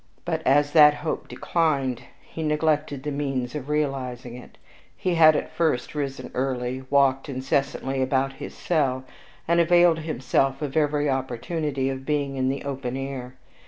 But as that hope declined, he neglected the means of realizing it. He had at first risen early, walked incessantly about his cell, and availed himself of every opportunity of being in the open air.